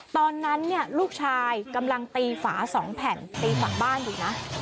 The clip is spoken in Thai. ตอนนั้นเนี่ยลูกชายกำลังตีฝา๒แผ่นตีฝั่งบ้านอยู่นะ